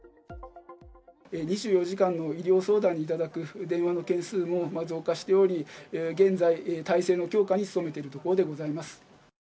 ２４時間の医療相談にいただく電話の件数も増加しており、現在、体制の強化に努めているところでございます。